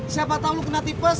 siapa tau lo kena tipis